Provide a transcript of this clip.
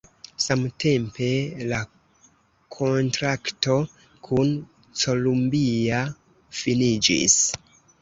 Samtempe la kontrakto kun Columbia finiĝis.